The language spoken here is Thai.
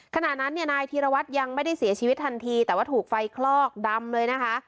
ขณะนั้นเนี่ยนายธีรวัตรยังไม่ได้เสียชีวิตทันทีแต่ว่าถูกไฟคลอกดำเลยนะคะ